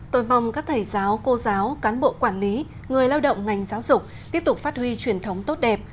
tôi mong các thầy giáo cô giáo cán bộ quản lý người lao động ngành giáo dục tiếp tục phát huy truyền thống tốt đẹp